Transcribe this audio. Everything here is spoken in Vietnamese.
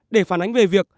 để phản ánh về việc